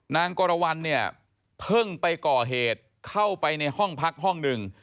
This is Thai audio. นางกรวรรณเนี่ยเพิ่งไปก่อเหตุเข้าไปในห้องพักห้องหนึ่ง